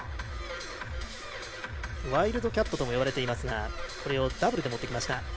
ワイルドキャットとも呼ばれていますがこれをダブルで持ってきました。